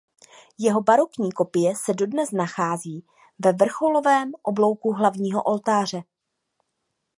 Jeho barokní kopie se dodnes nachází ve vrcholovém oblouku hlavního oltáře.